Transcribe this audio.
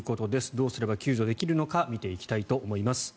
どうすれば救助できるのか見ていきたいと思います。